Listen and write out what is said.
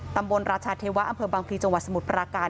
ตำบลรัชเทวะอำเผยบางพีจังหวัดสมุทรประการ